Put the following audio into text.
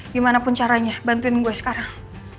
gimanapun caranya bantuin gue sekarang